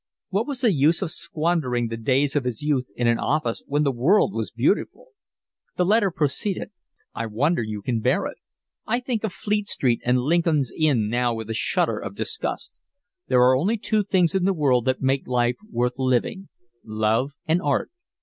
What was the use of squandering the days of his youth in an office when the world was beautiful? The letter proceeded. I wonder you can bear it. I think of Fleet Street and Lincoln's Inn now with a shudder of disgust. There are only two things in the world that make life worth living, love and art.